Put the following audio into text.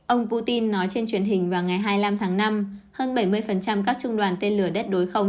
ông putin nói trên truyền hình vào ngày hai mươi năm tháng năm hơn bảy mươi các trung đoàn tên lửa đất đối không